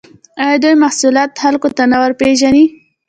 آیا دوی محصولات خلکو ته نه ورپېژني؟